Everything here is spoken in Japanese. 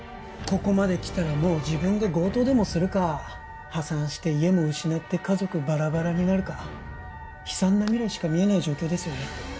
ここまできたらもう自分で強盗でもするか破産して家も失って家族バラバラになるか悲惨な未来しか見えない状況ですよね？